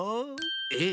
えっ？